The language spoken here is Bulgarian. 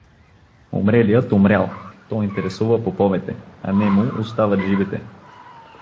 Умрелият — умрял, то интересува поповете, а нему остават живите.